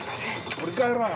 取り換えろよ！